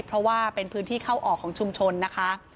เพราะว่าเป็นพื้นที่เข้าออกของชุมชนนะคะ